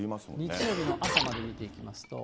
日曜日の朝、見ていきますと。